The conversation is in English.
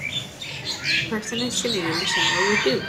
A person is sitting in a shallow lagoon.